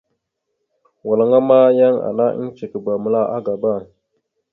Walŋa ma, yan ana iŋgəcekaba məla agaba.